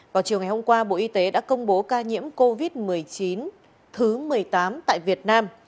vào chiều ngày hôm qua bộ y tế đã công bố ca nhiễm covid một mươi chín thứ một mươi tám tại việt nam